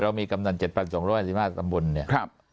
เรามีกำหนด๗๒๕๕ตำบลเนี่ย